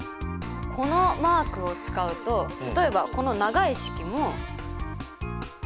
このマークを使うと例えばこの長い式も。